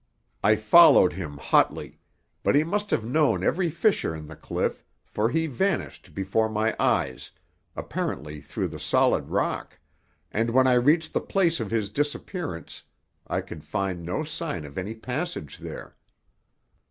I followed him hotly; but he must have known every fissure in the cliff, for he vanished before my eyes, apparently through the solid rock, and when I reached the place of his disappearance I could find no sign of any passage there.